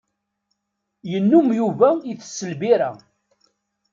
Yennum Yuba itess lbirra.